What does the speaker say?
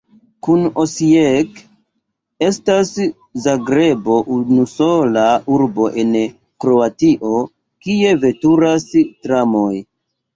Kun Osijek estas Zagrebo unusola urbo en Kroatio, kie veturas tramoj.